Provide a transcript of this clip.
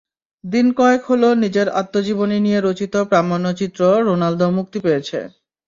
দিন কয়েক হলো নিজের আত্মজীবনী নিয়ে রচিত প্রামাণ্যচিত্র রোনালদো মুক্তি পেয়েছে।